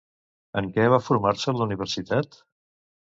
En què va formar-se a la universitat?